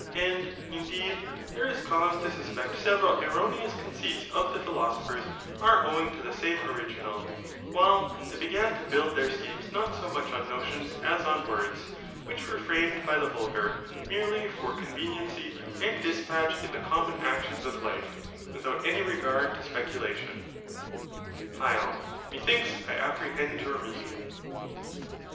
And, indeed, there is cause to suspect several erroneous conceits of the philosophers are owing to the same original: while they began to build their schemes not so much on notions as on words, which were framed by the vulgar, merely for conveniency and dispatch in the common actions of life, without any regard to speculation. HYL. Methinks I apprehend your meaning.